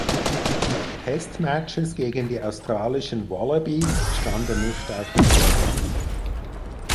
Test Matches gegen die australischen "Wallabies" standen nicht auf dem Programm.